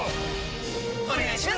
お願いします！！！